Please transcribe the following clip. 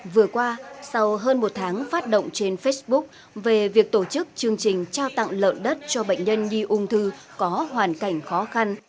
vừa qua sau hơn một tháng phát động trên facebook về việc tổ chức chương trình trao tặng lợn đất cho bệnh nhân đi ung thư có hoàn cảnh khó khăn